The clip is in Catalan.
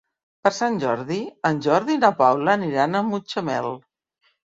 Per Sant Jordi en Jordi i na Paula aniran a Mutxamel.